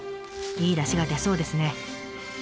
いいだしが出そうですね。